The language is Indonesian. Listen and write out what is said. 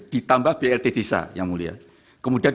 ditambah blt desa yang mulia kemudian